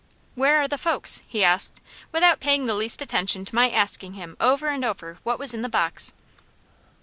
"Where are the folks?" he asked, without paying the least attention to my asking him over and over what was in the box.